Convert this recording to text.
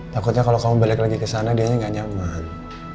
takutnya kalau kamu balik lagi ke sana dianya gak nyaman